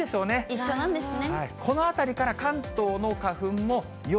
一緒なんですね。